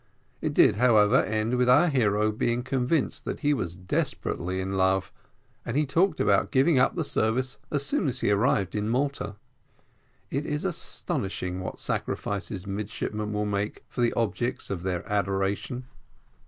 It did, however, end with our hero being convinced that he was desperately in love, and he talked about giving up the service as soon as he arrived at Malta. It is astonishing what sacrifices midshipmen will make for the objects of their adoration.